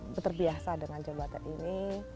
beterbiasa dengan jabatan ini